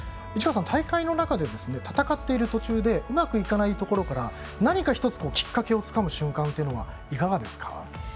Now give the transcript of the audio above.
市川さん、大会の中で戦っている途中でうまくいかないところから何かきっかけをつかむ瞬間というのはいかがですか？